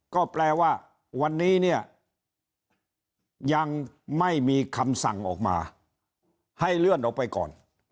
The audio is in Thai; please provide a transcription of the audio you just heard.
ก็แปลว่าวันนี้เนี่ยยังไม่มีคำสั่งออกมาให้เลื่อนออกไปก่อน